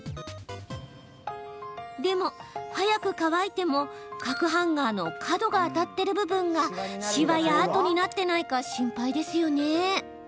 でも、早く乾いても角ハンガーの角が当たってる部分がシワや跡になっていないか心配ですよね？